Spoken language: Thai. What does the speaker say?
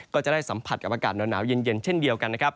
ก็จะได้สัมผัสกับอากาศหนาวเย็นเช่นเดียวกันนะครับ